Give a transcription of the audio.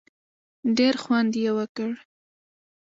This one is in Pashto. ډېر خوند یې وکړ.